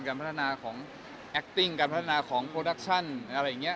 การพัฒนาของแอคติ้งการพัฒนาของโปรดักชั่นอะไรอย่างนี้